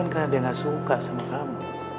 kan karena dia gak suka sama kamu